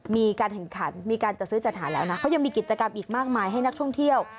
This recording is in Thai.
มีการแข่งขันมีการจัดซื้อจัดหาแล้วนะเขายังมีกิจกรรมอีกมากมายให้นักท่องเที่ยว